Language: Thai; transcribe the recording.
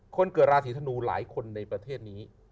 คนเกิดราศีธนูหลายคนในประเทศนี้